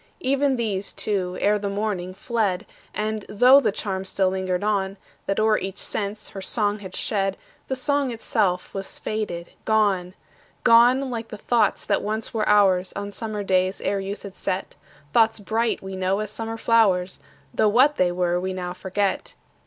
Even these, too, ere the morning, fled; And, tho' the charm still lingered on, That o'er each sense her song had shed, The song itself was faded, gone; Gone, like the thoughts that once were ours, On summer days, ere youth had set; Thoughts bright, we know, as summer flowers, Tho' what they were we now forget.